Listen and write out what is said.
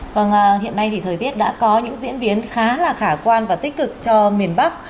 vâng hiện nay thì thời tiết đã có những diễn biến khá là khả quan và tích cực cho miền bắc